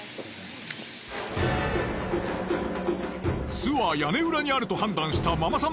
巣は屋根裏にあると判断したママさん